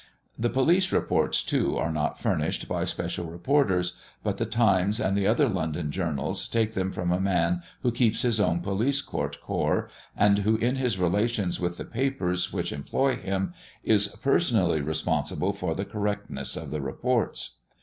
The police reports, too, are not furnished by special reporters; but the Times and the other London journals take them from a man who keeps his own police court corps, and who, in his relations with the papers which employ him, is personally responsible for the correctness of the reports.